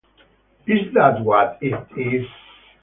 Is that what it is?